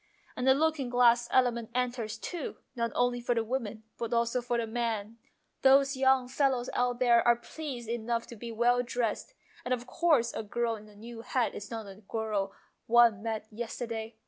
And the looking glass element enters, too, not only for the woman but also for the man. A MONOLOGUE ON LOVE SONGS 275 Those young fellows out there are pleased enough to be well dressed, and of course a girl in a new hat is not the girl one met yesterday.